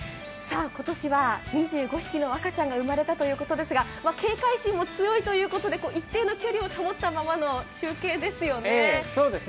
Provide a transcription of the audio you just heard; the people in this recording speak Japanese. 今年は２５匹の赤ちゃんが生まれたということですが警戒心も強いということで一定の距離をとったままの中継ですね。